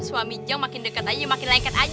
suami jong makin dekat aja makin lengket aja